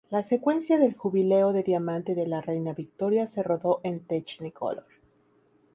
La secuencia del Jubileo de Diamante de la Reina Victoria se rodó en Technicolor.